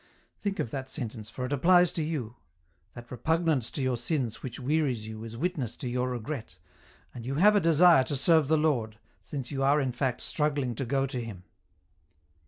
Think of that sentence, for it applies to you ; that repugnance to your sins which wearies you is witness to your regret, and you have a desire to serve the Lord, since you are in fact struggling to go to Him."